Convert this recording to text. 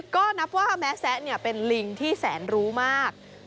ก็นับว่าแม้แซะเป็นลิงที่แสนรู้มาก